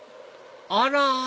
あら！